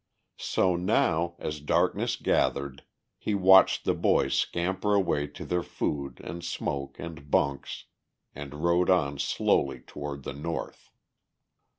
So now, as darkness gathered, he watched the boys scamper away to their food and smoke and bunks, and rode on slowly toward the north.